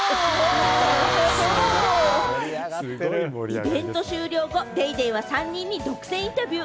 イベント終了後、『ＤａｙＤａｙ．』は３人に独占インタビュー。